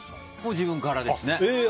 自分からですね。